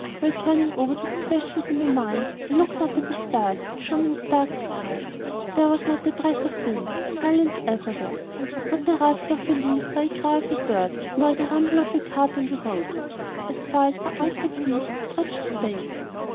While turning over these questions in my mind, I looked up at the stars, which shone in the dark sky. There was not a breath of wind. Silence everywhere. Not the rustle of a leaf or the cry of a bird, nor the rumble of a cart on the road. As far as my eye could see, stretched space.